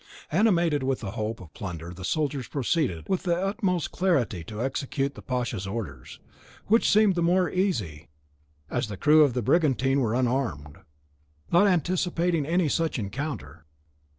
Animated with the hope of plunder the soldiers proceeded with the utmost alacrity to execute the pasha's orders, which seemed the more easy as the crew of the brigantine were unarmed, not anticipating any such encounter.